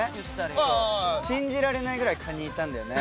信じられないぐらいカニいたんだよね。